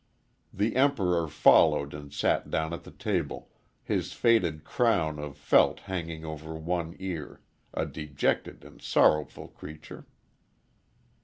The Emperor followed and sat down at the table, his faded crown of felt hanging over one ear a dejected and sorrowful creature.